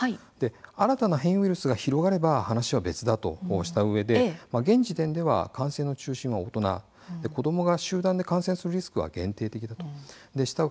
新たな変異ウイルスが広がれば別だとしたうえで現時点では感染の中心も大人であり子どもが集団で感染リスクは限定的だという話です。